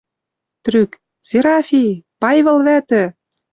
Трӱк: «Серафи! Пайвыл вӓтӹ!